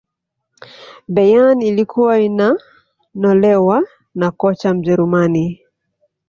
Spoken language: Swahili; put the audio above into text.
bayern ilkuwa inanolewa na kocha mjerumani